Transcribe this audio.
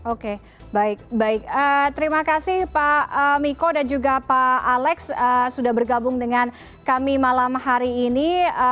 oke baik baik terima kasih pak miko dan juga pak alex sudah bergabung dengan kami malam hari ini